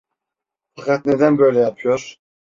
Fakat neden böyle yapıyor?